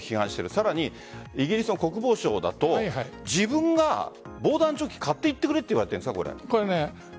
さらにイギリスの国防省が自分が防弾チョッキを買ってくれと言われているんですか？